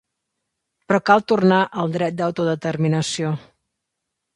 Però cal tornar al dret d’autodeterminació.